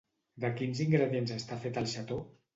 De quins ingredients està fet el xató?